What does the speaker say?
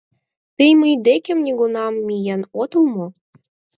— Тый мый декем нигунам миен отыл мо?